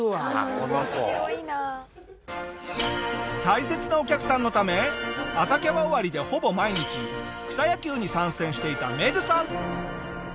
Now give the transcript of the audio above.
大切なお客さんのため朝キャバ終わりでほぼ毎日草野球に参戦していたメグさん。